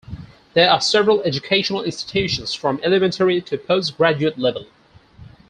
There are several educational institutions from elementary to post-graduate level.